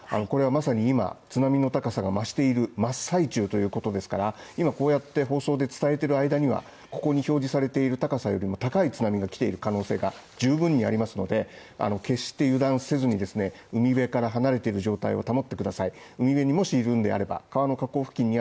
これはまさに今、津波の高さが増している真っ最中ということですから、今こうやって放送で伝えている間にはここに表示されている高さよりも高い津波が来ている可能性が十分にありますので決して油断せずにですね、海辺から離れている状態を